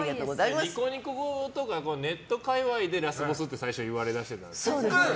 ニコニコ動画ネット界隈でラスボスって最初言われ出してたんですよね。